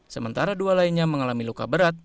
sementara dua lainnya mengalami luka berat